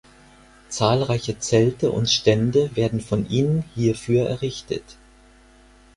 Zahlreiche Zelte und Stände werden von ihnen hierfür errichtet.